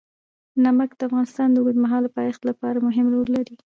نمک د افغانستان د اوږدمهاله پایښت لپاره مهم رول لري.